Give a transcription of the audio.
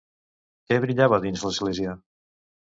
Què brillava dins l'església?